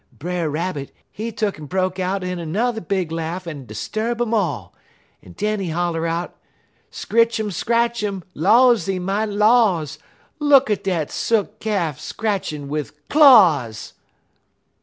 "Brer Rabbit, he tuck'n broke out in 'n'er big laugh en 'sturb um all, en den he holler out: "'_Scritchum scratchum, lawsy, my laws! Look at dat Sook Calf scratchin' wid claws!